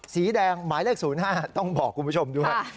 สีแดงหมายเลข๐๕ต้องบอกคุณผู้ชมด้วย